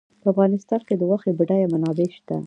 په افغانستان کې د غوښې بډایه منابع شته.